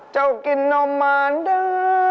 เจ้ากินนมมานดื้อ